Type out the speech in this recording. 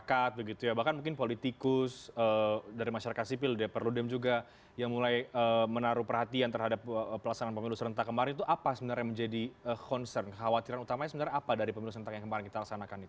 tokoh tokoh masyarakat bahkan mungkin politikus dari masyarakat sipil deper ludem juga yang mulai menaruh perhatian terhadap pelaksanaan pemilu serentak kemarin itu apa sebenarnya yang menjadi concern kekhawatiran utamanya sebenarnya apa dari pemilu serentak yang kemarin kita laksanakan itu